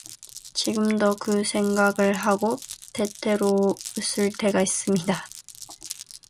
지금도 그 생각을 하고 때때로 웃을 때가 있습니다